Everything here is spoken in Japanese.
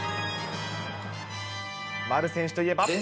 丸選手といえば。